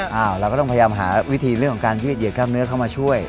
เราก็ต้องพยายามหาวิธีเรื่องของการยืดเหยียกล้ามเนื้อเข้ามาช่วย